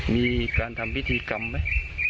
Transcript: มีการทำพิธีกรรมไหม